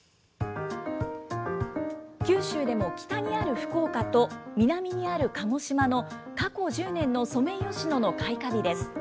九州でも北にある福岡と、南にある鹿児島の過去１０年のソメイヨシノの開花日です。